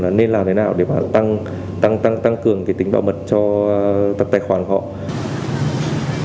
là nên làm thế nào để mà tăng cường cái tính bảo mật cho tài khoản của họ